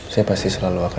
saya pasti selalu akan